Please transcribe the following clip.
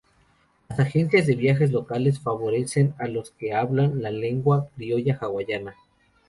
Las agencias de viajes locales favorecen a los que hablan la lengua criolla Hawaiana.